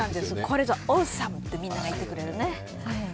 これぞオーサムってみんなが言ってくれる。